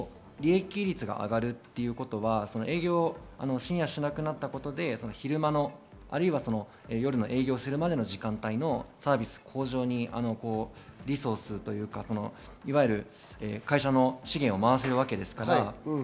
利益率が上がるということは営業を深夜しなくなったことで昼間の、あるいは夜の営業をするまでの時間帯のサービス向上に会社の資源を回せるわけです。